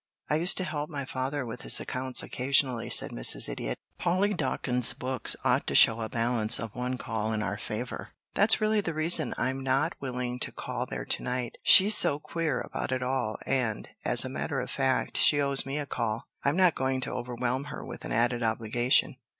"I used to help my father with his accounts, occasionally," said Mrs. Idiot. "Polly Dawkins's books ought to show a balance of one call in our favor. That's really the reason I'm not willing to call there to night. She's so queer about it all, and, as a matter of fact, she owes me a call. I'm not going to overwhelm her with an added obligation."